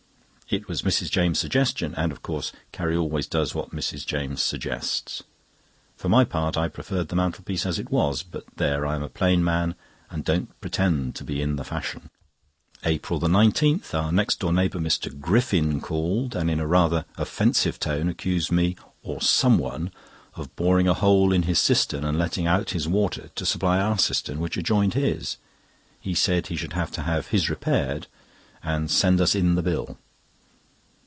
It was Mrs. James' suggestion, and of course Carrie always does what Mrs. James suggests. For my part, I preferred the mantelpiece as it was; but there, I'm a plain man, and don't pretend to be in the fashion. APRIL 19.—Our next door neighbour, Mr. Griffin, called, and in a rather offensive tone accused me, or "someone," of boring a hole in his cistern and letting out his water to supply our cistern, which adjoined his. He said he should have his repaired, and send us in the bill.